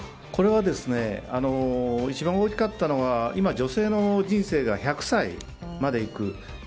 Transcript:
これは、一番大きかったのは今、女性の人生が１００歳までいく。